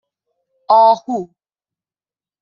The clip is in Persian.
آهو